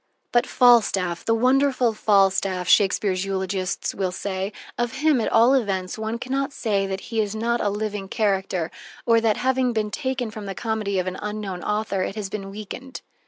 "But Falstaff, the wonderful Falstaff," Shakespeare's eulogists will say, "of him, at all events, one can not say that he is not a living character, or that, having been taken from the comedy of an unknown author, it has been weakened."